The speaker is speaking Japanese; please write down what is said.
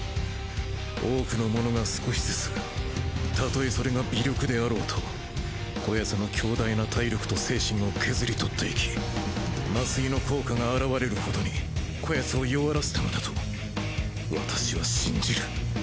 多くの者が少しずつ例えそれが微力であろうとこやつの強大な体力と精神を削り取っていき麻酔の効果が表れる程にこやつを弱らせたのだと私は信じる！